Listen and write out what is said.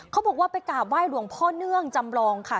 เขาบอกว่าไปกราบไห้หลวงพ่อเนื่องจำลองค่ะ